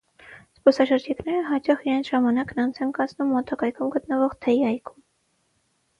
Զբոսաշրջիկները հաճախ իրենց ժամանակն անց են կացնում մոտակայքում գտնվող թեյի այգում։